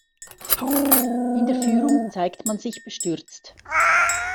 In der Führung zeigt man sich bestürzt.